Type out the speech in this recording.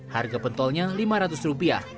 harga pentolnya rp lima ratus